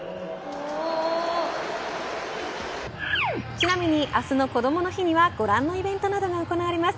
ちなみに明日のこどもの日にはご覧のイベントなどが行われます。